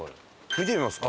見てみますか！